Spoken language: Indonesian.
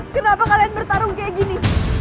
kenapa kalian bertarung kayak gini